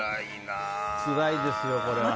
つらいですよ、これは。